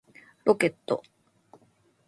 ロケット